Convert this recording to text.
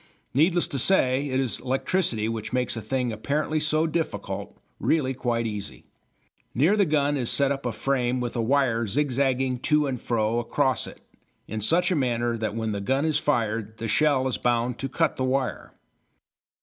Needless to say, it is electricity which makes a thing apparently so difficult really quite easy. Near the gun is set up a frame with a wire zigzagging to and fro across it, in such a manner that when the gun is fired the shell is bound to cut the wire.